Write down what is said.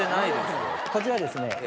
こちらですね